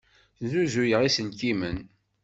Snuzuyeɣ iselkimen.